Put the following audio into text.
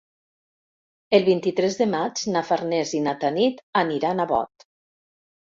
El vint-i-tres de maig na Farners i na Tanit aniran a Bot.